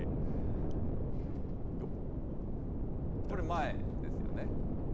これ、前ですよね。